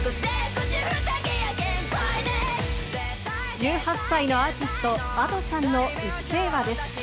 １８歳のアーティスト、Ａｄｏさんのうっせぇわです。